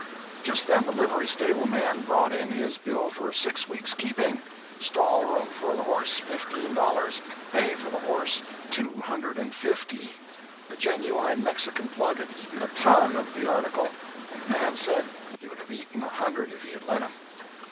Just then the livery stable man brought in his bill for six weeks' keeping—stall room for the horse, fifteen dollars; hay for the horse, two hundred and fifty! The Genuine Mexican Plug had eaten a ton of the article, and the man said he would have eaten a hundred if he had let him.